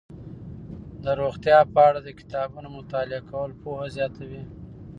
د روغتیا په اړه د کتابونو مطالعه کول پوهه زیاتوي.